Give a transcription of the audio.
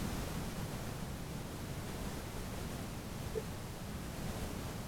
Se conserva en la pinacoteca de Dresde.